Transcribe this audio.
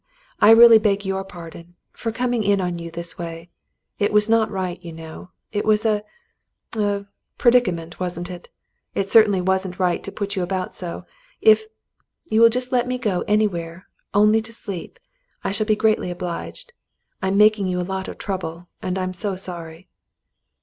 I really beg your pardon — for coming in on you this way — it was not right, you know. It was a — a — predicament, wasn't it ? It certainly wasn't right to put you about so ; if — you will just let me go anywhere, only to sleep, I shall be greatly obliged. I'm making you a lot of trouble, and I'm so sorry."